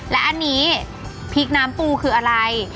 และอันนี้พริกน้ำปูคืออะไร